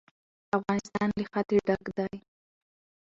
افغانستان له ښتې ډک دی.